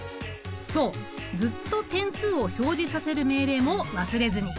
ずっと点数を表示させる命令も忘れずに！